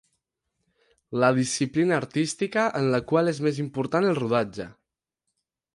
La disciplina artística en la qual és més important el rodatge.